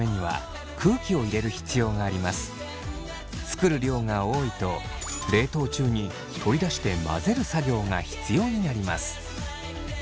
作る量が多いと冷凍中に取り出して混ぜる作業が必要になります。